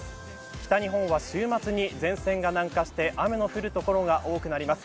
北日本は週末に前線が南下して雨の降る所が多くなります。